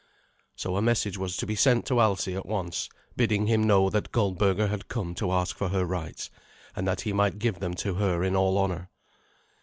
So a message was to be sent to Alsi at once, bidding him know that Goldberga had come to ask for her rights, and that he might give them to her in all honour.